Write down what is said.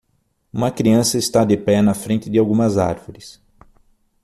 Uma criança está de pé na frente de algumas árvores.